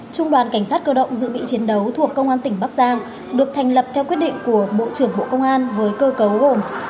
trung đoàn cảnh sát cơ động dự bị chiến đấu thuộc công an tỉnh bắc giang được thành lập theo quyết định của bộ trưởng bộ công an với cơ cấu gồm